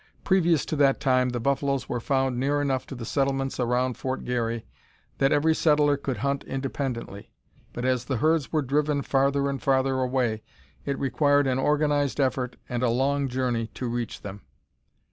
Previous to that time the buffaloes were found near enough to the settlements around Fort Garry that every settler could hunt independently; but as the herds were driven farther and farther away, it required an organized effort and a long journey to reach them.